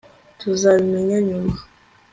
tuzabimenya nyuma